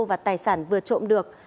và tài sản vừa trộm được